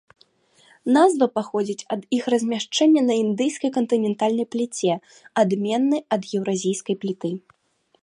Назва паходзіць ад іх размяшчэння на індыйскай кантынентальнай пліце, адменны ад еўразійскай пліты.